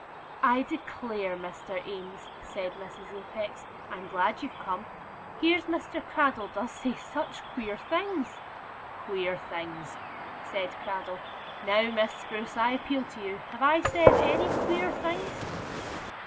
"I declare, Mr. Eames," said Mrs. Lupex, "I'm glad you've come. Here's Mr. Cradell does say such queer things." "Queer things!" said Cradell. "Now, Miss Spruce, I appeal to you Have I said any queer things?"